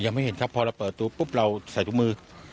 ไม่เห็นครับพอเราเปิดตัวปุ๊บเราใส่ถุงมือ